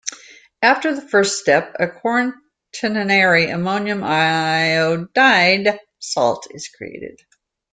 After the first step, a quaternary ammonium iodide salt is created.